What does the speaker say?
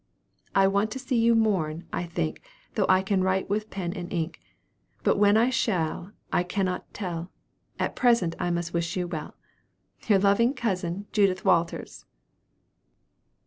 'I want to see you morn, I think, Than I can write with pen and ink; But when I shall, I cannot tell At present I must wish you well.' "Your loving cousin, "JUDITH WALTERS."